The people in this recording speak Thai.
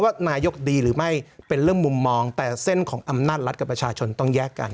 นายกดีหรือไม่เป็นเรื่องมุมมองแต่เส้นของอำนาจรัฐกับประชาชนต้องแยกกัน